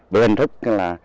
hình thức là